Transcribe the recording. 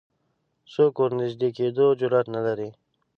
څوک ورنژدې کېدو جرئت نه لري